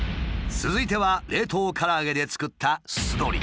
続いては冷凍から揚げで作った酢鶏。